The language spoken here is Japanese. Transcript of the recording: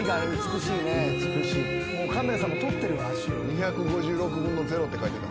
２５６分の０って書いてた。